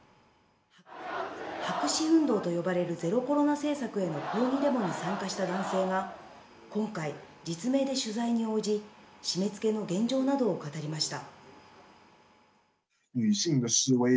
白紙運動と呼ばれるゼロコロナ政策への抗議デモに参加した男性が、今回、実名で取材に応じ、締めつけの現状などを語りました。